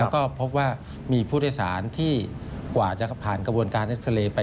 ก็พบว่ามีพฤษศาลที่กว่าจะผ่านกระบวนการอักษริย์ไป